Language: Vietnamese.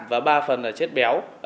và ba phần là chất béo